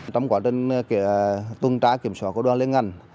trong quá trình tuân trá kiểm soát của đoàn liên ngành